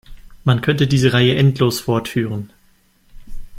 Man könnte diese Reihe endlos fortführen.